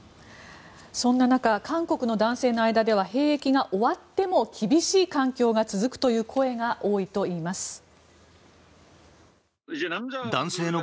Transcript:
そんな中、韓国の男性の間では兵役が終わっても厳しい環境が続くという声が多いといいます。